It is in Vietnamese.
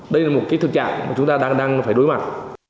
đây là một cái thực trạng mà chúng ta đang phải đối mặt